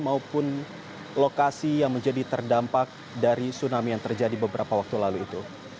maupun lokasi yang menjadi terdampak dari tsunami yang terjadi beberapa waktu lalu itu